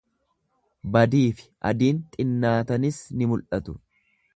Badiifi adiin xinnaatanis ni mul'atu.